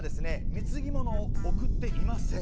貢物を贈っていません。